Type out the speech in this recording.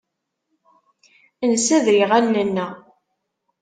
Nessader iɣallen-nneɣ.